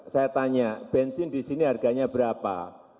saya tanya bensin di sini harganya berapa